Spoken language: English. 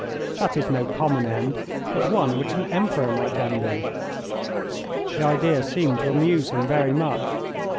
That is no common end, but one which an Emperor might envy." The idea seemed to amuse him very much.